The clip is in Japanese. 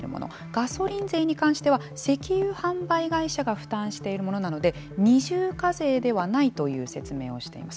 ガソリン税に関しては石油販売会社が負担しているものなので二重課税ではないという説明をしています。